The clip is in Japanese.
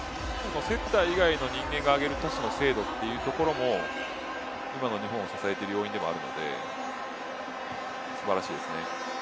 セッター以外の人間が上げるトスの精度というところも今の日本を支えている要因でもあるので素晴らしいですね。